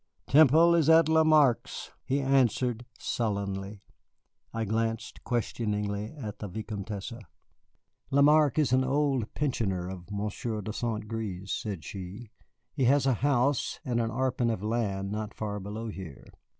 "Temple is at Lamarque's," he answered sullenly. I glanced questioningly at the Vicomtesse. "Lamarque is an old pensioner of Monsieur de St. Gré's," said she; "he has a house and an arpent of land not far below here."